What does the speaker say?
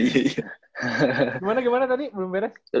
gimana gimana tadi belum beres